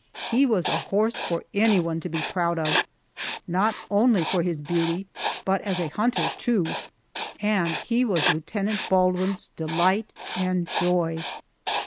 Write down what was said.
He was a horse for anyone to be proud of, not only for his beauty but as a hunter, too, and he was Lieutenant Baldwin's delight and joy.